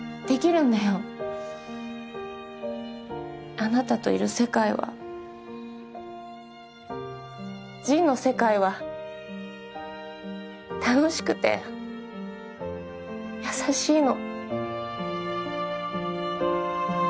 あなたといる世界はジンの世界は楽しくて優しいの。